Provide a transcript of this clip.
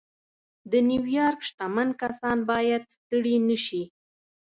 د نيويارک شتمن کسان بايد ستړي نه شي.